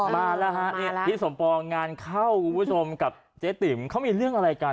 มาแล้วฮะนี่พี่สมปองงานเข้าคุณผู้ชมกับเจ๊ติ๋มเขามีเรื่องอะไรกัน